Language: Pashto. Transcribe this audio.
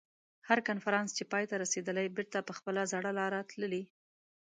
هر کنفرانس چې پای ته رسېدلی بېرته په خپله زړه لاره تللي.